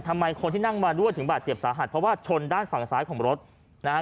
ทำไมคนที่นั่งมาด้วยถึงบาดเจ็บสาหัสเพราะว่าชนด้านฝั่งซ้ายของรถนะฮะ